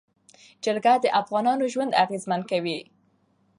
جلګه د افغانانو ژوند اغېزمن کوي.